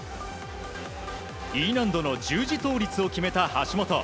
Ｅ難度の十字倒立を決めた橋本。